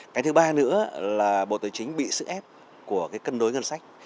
cái thứ ba nữa là bộ tài chính bị sự ép của cái cân đối ngân sách